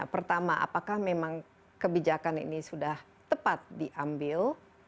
pertama apakah memang kebijakan ini sudah tepat diambil